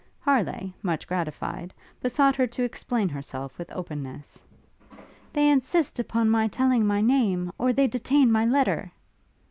Harleigh, much gratified, besought her to explain herself with openness. 'They insist upon my telling my name or they detain my letter!'